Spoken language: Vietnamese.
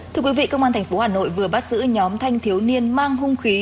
thưa quý vị công an tp hà nội vừa bắt giữ nhóm thanh thiếu niên mang hung khí